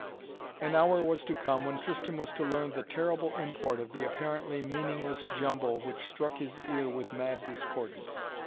An hour was to come when Tristan was to learn the terrible import of the apparently meaningless jumble which struck his ear with mad discordance.